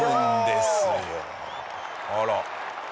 あら。